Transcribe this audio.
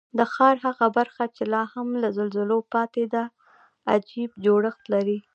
د ښار هغه برخه چې لا هم له زلزلو پاتې ده، عجیب جوړښت لري.